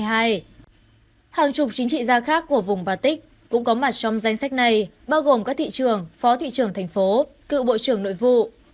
hàng chục chính trị gia khác của vùng baltic cũng có mặt trong danh sách này bao gồm các thị trường phó thị trưởng thành phố cựu bộ trưởng nội vụ